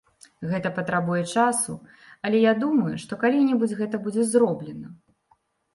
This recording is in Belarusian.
Гэта патрабуе часу, але я думаю, што калі-небудзь гэта будзе зроблена.